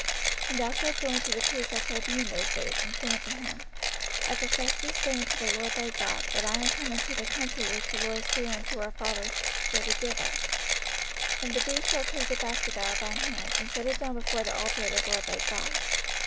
05:026:003 And thou shalt go unto the priest that shall be in those days, and say unto him, I profess this day unto the LORD thy God, that I am come unto the country which the LORD sware unto our fathers for to give us. 05:026:004 And the priest shall take the basket out of thine hand, and set it down before the altar of the LORD thy God.